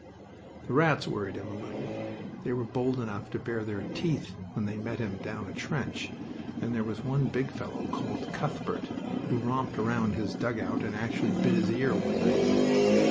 The rats worried him a little they were bold enough to bare their teeth when they met him down a trench, and there was one big fellow called Cuthbert, who romped round his dugout and actually bit his ear one night.